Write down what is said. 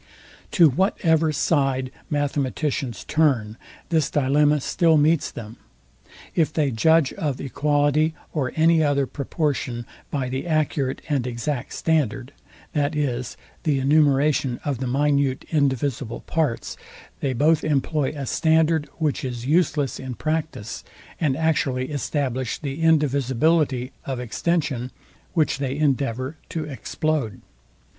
To whatever side mathematicians turn, this dilemma still meets them. If they judge of equality, or any other proportion, by the accurate and exact standard, viz. the enumeration of the minute indivisible parts, they both employ a standard, which is useless in practice, and actually establish the indivisibility of extension, which they endeavour to explode.